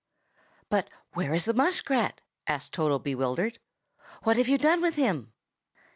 "But where is the muskrat?" asked Toto, bewildered. "What have you done with him?"